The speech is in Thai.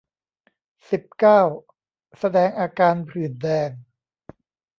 สิบเก้า แสดงอาการผื่นแดง